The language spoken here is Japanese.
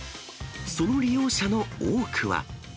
その利用者の多くは。